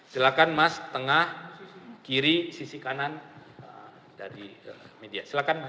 silahkan mas tengah kiri sisi kanan dari media silakan mas